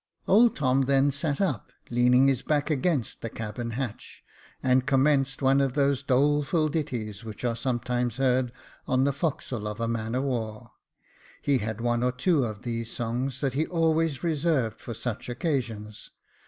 Old Tom then sat up, leaning his back against the cabin hatch, and commenced one of those doleful ditties which are some times heard on the forecastle of a man of war ; he had one or two of these songs that he always reserved for such occasions.